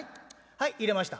はい入れました」。